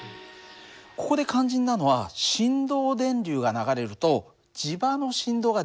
ここで肝心なのは振動電流が流れると磁場の振動が出来る。